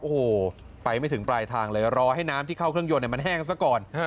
โอ้โหไปไม่ถึงปลายทางเลยรอให้น้ำที่เข้าเครื่องยนต์มันแห้งซะก่อน